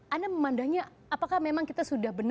anda memandangnya apakah memang kita sudah benar